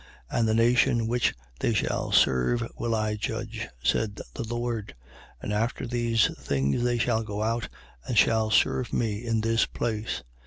7:7. And the nation which they shall serve will I judge (said the Lord): and after these things they shall go out and shall serve me in this place.